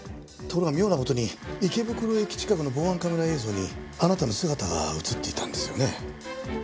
ところが妙な事に池袋駅近くの防犯カメラ映像にあなたの姿が映っていたんですよね。